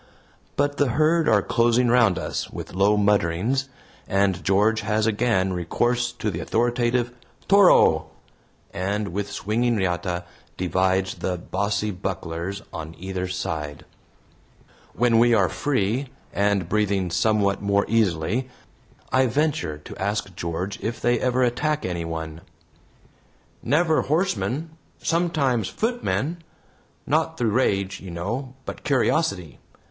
But the herd are closing round us with low mutterings, and George has again recourse to the authoritative "TORO," and with swinging riata divides the "bossy bucklers" on either side. When we are free, and breathing somewhat more easily, I venture to ask George if they ever attack anyone. "Never horsemen sometimes footmen. Not through rage, you know, but curiosity.